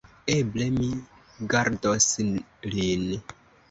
Eble mi gardos lin.